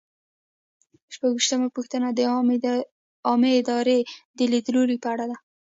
شپږویشتمه پوښتنه د عامه ادارې د لیدلوري په اړه ده.